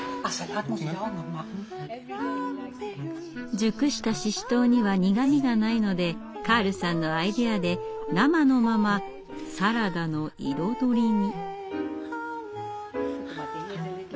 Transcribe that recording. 熟したシシトウには苦みがないのでカールさんのアイデアで生のままサラダの彩りに。